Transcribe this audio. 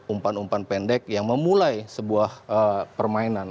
umpan umpan pendek yang memulai sebuah permainan